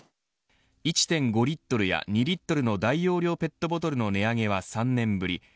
１．５リットルや２リットルの大容量ペットボトルの値上げは３年ぶり